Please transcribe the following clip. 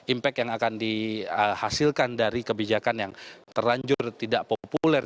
impact yang akan dihasilkan dari kebijakan yang terlanjur tidak populer